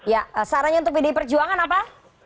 ya sarannya untuk pdi perjuangan apa